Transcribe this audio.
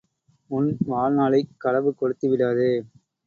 உன் வாழ்நாளைக் களவு கொடுத்து விடாதே!